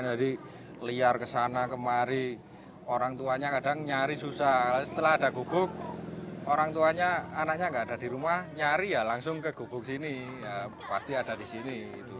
nyari liar kesana kemari orang tuanya kadang nyari susah setelah ada gugup orang tuanya anaknya nggak ada di rumah nyari ya langsung ke gubuk sini pasti ada di sini